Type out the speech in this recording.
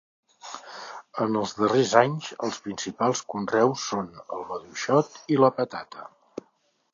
En els darrers anys els principals conreus són: el maduixot i la patata.